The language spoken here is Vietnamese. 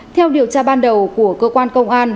theo điều tra ban đầu của cơ quan công an